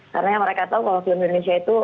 karena mereka tahu kalau film indonesia itu